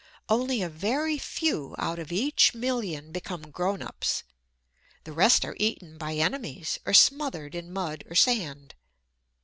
Only a very few out of each million become "grown ups" the rest are eaten by enemies, or smothered in mud or sand.